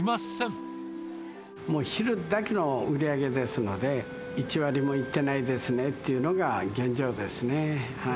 もう、昼だけの売り上げですので、１割もいってないですねっていうのが現状ですね。